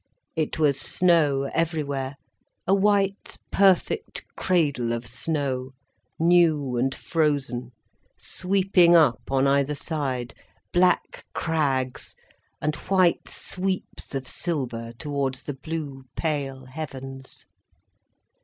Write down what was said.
It was snow everywhere, a white, perfect cradle of snow, new and frozen, sweeping up on either side, black crags, and white sweeps of silver towards the blue pale heavens.